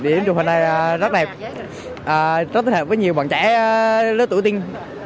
điểm chụp hình này rất đẹp rất thích hợp với nhiều bạn trẻ lớn tuổi tinh